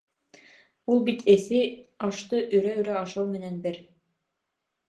Ул бит эҫе ашты өрә-өрә ашау менән бер.